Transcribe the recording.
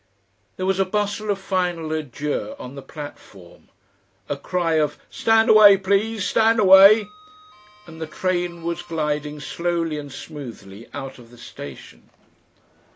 There was a bustle of final adieux on the platform, a cry of "Stand away, please, stand away!" and the train was gliding slowly and smoothly out of the station.